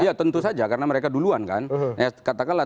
iya tentu saja karena mereka duluan kan katakanlah